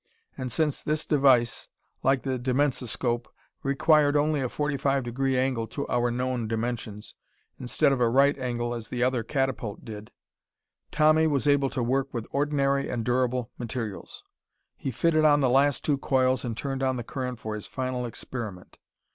And since this device, like the dimensoscope, required only a forty five degree angle to our known dimensions, instead of a right angle as the other catapult did, Tommy was able to work with ordinary and durable materials. He fitted on the last two coils and turned on the current for his final experiment.